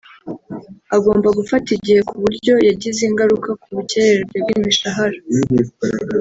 agomba gufata igihe ku buryo yagize ingaruka ku bukererwe bw’imishahara